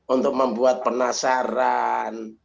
untuk membuat penasaran